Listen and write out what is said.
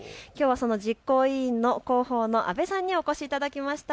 実行委員の広報の阿部さんにお越しいただきました。